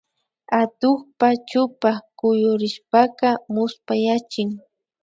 Atukpa chupa kuyurishpaka muspayachin